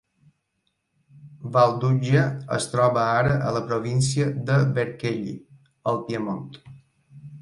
Valduggia es troba ara a la província de Vercelli, al Piemont.